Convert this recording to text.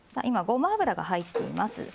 今ごま油が入っています。